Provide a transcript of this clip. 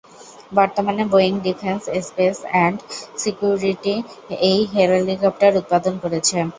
বর্তমানে Boeing defence, space and security এই helicopter উৎপাদন করছে।